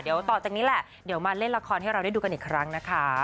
เดี๋ยวต่อจากนี้แหละเดี๋ยวมาเล่นละครให้เราได้ดูกันอีกครั้งนะคะ